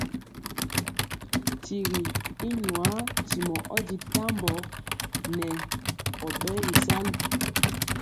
Tigi i nwaa ntimɔ ɔ di tambɔ nɛ ɔ ɓɛɛ bisan.